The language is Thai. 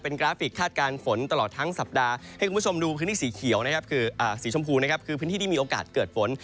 เป็นกราฟิกฆาตการฝนตลอดทั้งสัปดาห์ให้คุณผู้ชมดูพื้นที่สีชมพูนะครับคือพื้นที่ที่มีโอกาสเกิดฝน